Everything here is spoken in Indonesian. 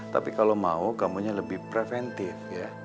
tapi kalo mau kamu yang lebih preventif ya